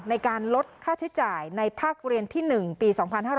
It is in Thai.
ในการลดค่าใช้จ่ายในภาคเรียนที่๑ปี๒๕๕๙